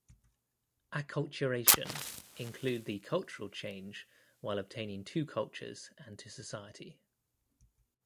Acculturation include the cultural change while obtaining two cultures and to society.